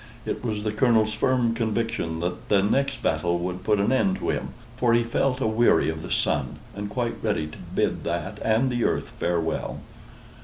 It was the Colonel's firm conviction that the next battle would put an end to him: for he felt aweary of the sun, and quite ready to bid that and the earth farewell.